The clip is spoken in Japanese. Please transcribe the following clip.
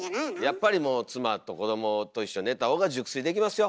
やっぱりもう妻と子どもと一緒に寝た方が熟睡できますよ！